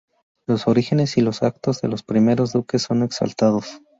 Los orígenes y las actos de los primeros duques son exaltados.